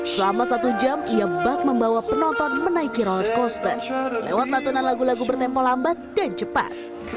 selama satu jam ia bak membawa penonton menaiki roll coaster lewat latunan lagu lagu bertempo lambat dan cepat